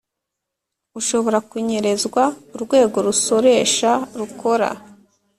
Ushobora kunyerezwa urwego rusoresha rukora